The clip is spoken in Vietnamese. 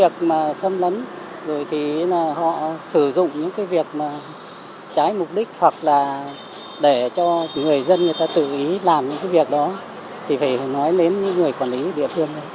việc mà xâm lấn rồi thì là họ sử dụng những cái việc mà trái mục đích hoặc là để cho người dân người ta tự ý làm những cái việc đó thì phải nói đến những người quản lý ở địa phương đấy